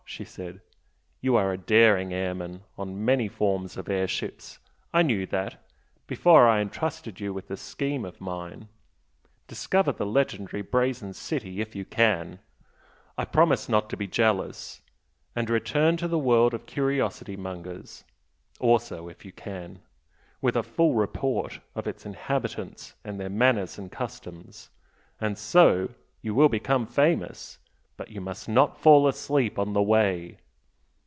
she said "You are a daring airman on many forms of airships I knew that, before I entrusted you with the scheme of mine. Discover the legendary 'Brazen City' if you can! I promise not to be jealous! and return to the world of curiosity mongers (also, if you CAN!) with a full report of its inhabitants and their manners and customs. And so you will become famous! But you must not fall asleep on the way!"